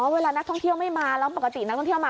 เวลานักท่องเที่ยวไม่มาแล้วปกตินักท่องเที่ยวมา